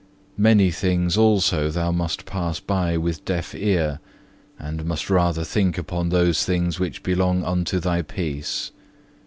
Many things also thou must pass by with deaf ear, and must rather think upon those things which belong unto thy peace.